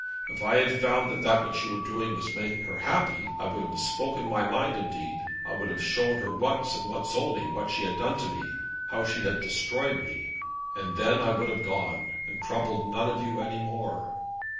If I had found that that which you are doing was making her happy, I would have spoken my mind indeed; I would have shown her once, and once only, what she had done to me; how she had destroyed me, and then I would have gone, and troubled none of you any more.'